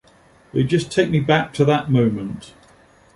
They just take me back to that moment.